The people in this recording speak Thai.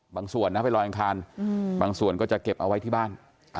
ส่วนนะไปลอยอังคารบางส่วนก็จะเก็บเอาไว้ที่บ้าน